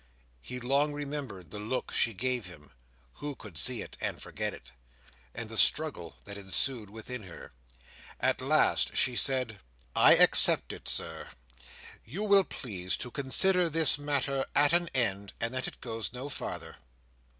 He long remembered the look she gave him—who could see it, and forget it?—and the struggle that ensued within her. At last she said: "I accept it, Sir You will please to consider this matter at an end, and that it goes no farther."